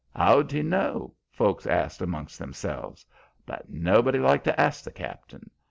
'How'd he know?' folks asked amongst themselves; but nobody liked to ask the cap'n.